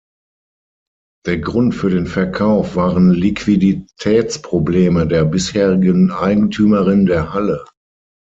Der Grund für den Verkauf waren Liquiditätsprobleme der bisherigen Eigentümerin der Halle.